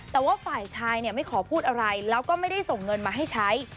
แต่ว่าฝ่ายชายไม่ขอพูดอะไรแล้วก็ไม่ได้ส่งเงินมาให้ใช้